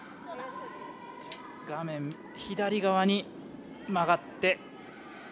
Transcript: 画面左側に曲がって。